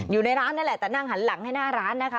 อยู่ในร้านนั่นแหละแต่นั่งหันหลังให้หน้าร้านนะคะ